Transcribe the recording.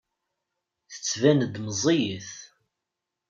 Tettban-d meẓẓiyet.